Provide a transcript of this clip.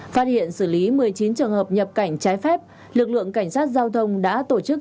phát hiện xử lý một mươi chín trường hợp nhập cảnh trái phép lực lượng cảnh sát giao thông đã tổ chức